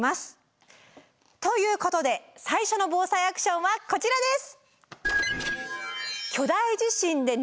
ということで最初のＢＯＳＡＩアクションはこちらです！